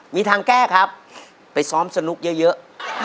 มีทางแก้ครับไปซ้อมสนุกเยอะ